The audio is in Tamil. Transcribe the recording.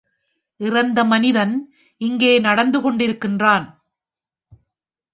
இறந்த மனிதன் இங்கே நடந்துகொண்டிருக்கிறான்!